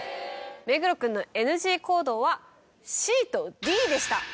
目黒君のＮＧ行動はＣとＤでした。